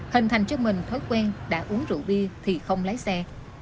hình thành cho mình thói quen đã uống rượu bia thì không lái xe